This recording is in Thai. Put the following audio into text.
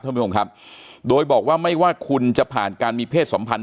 ท่านผู้ชมครับโดยบอกว่าไม่ว่าคุณจะผ่านการมีเพศสัมพันธ